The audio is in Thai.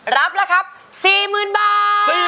รับแล้วครับ๔๐๐๐บาท